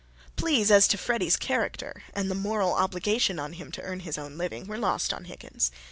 Pleas as to Freddy's character, and the moral obligation on him to earn his own living, were lost on Higgins.